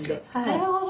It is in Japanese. なるほど。